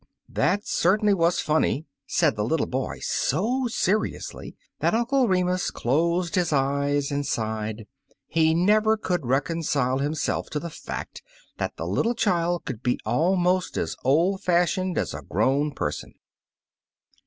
"That certainly was funny," said the little boy, so seriously that Uncle Remus closed his eyes and^sighed. He never could reconcile himself to the fact that a little child could be almost as old fashioned as a grown person.